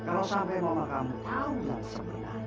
kalau sampai mama kamu tau yang sebenarnya